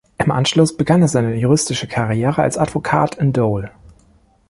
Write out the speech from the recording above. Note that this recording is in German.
Im Anschluss begann er seine juristische Karriere als Advokat in Dole.